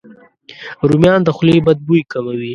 رومیان د خولې بد بوی کموي.